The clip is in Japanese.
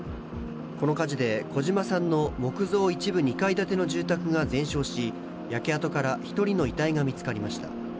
この火事で、小嶋さんの木造一部２階建ての住宅が全焼し、焼け跡から１人の遺体が見つかりました。